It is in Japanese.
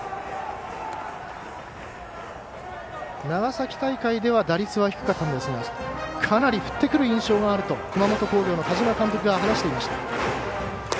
長崎大会では打率は低かったんですがかなり振ってくる印象があると熊本工業の田島監督が話していました。